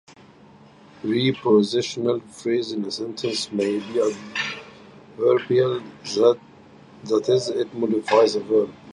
Prepositional phrase in a sentence may be adverbial; that is, it modifies a verb.